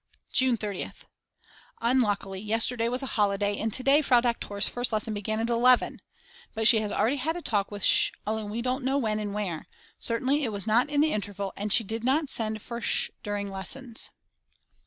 June 30th. Unluckily yesterday was a holiday and to day Frau Doktor's first lesson began at 11. But she has already had a talk with Sch. only we don't know when and where; certainly it was not in the interval and she did not send for Sch. during lessons.